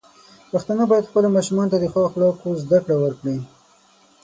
پښتانه بايد خپلو ماشومانو ته د ښو اخلاقو زده کړه ورکړي.